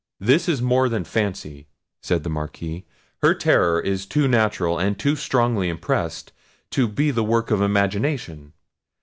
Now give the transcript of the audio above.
"This is more than fancy," said the Marquis; "her terror is too natural and too strongly impressed to be the work of imagination.